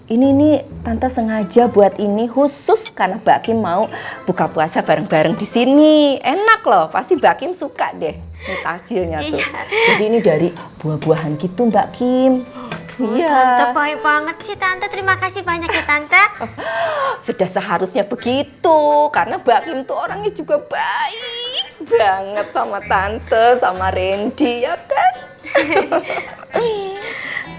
ini ini tante sengaja buat ini khusus karena baki mau buka puasa bareng bareng disini enak loh pasti bakim suka deh hasilnya ini dari buah buahan gitu mbak kim iya banget sih tante terima kasih banyak ya tante sudah seharusnya begitu karena bakim tuh orangnya juga baik banget sama tante sama rendi ya kan